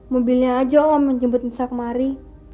mobilnya aja om yang menjemput nisa kemari